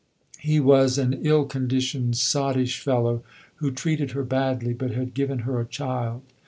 He was an ill conditioned, sottish fellow who treated her badly, but had given her a child.